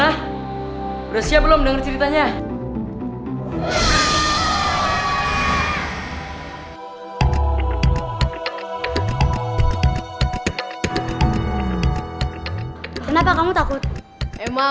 dia udah siapkanan belum denger ceritanya advocacy story wow loh ini lagu belom tuh sayangi doang